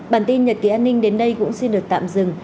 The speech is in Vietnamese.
bản tin nhật ký an ninh đến đây cũng xin được tạm dừng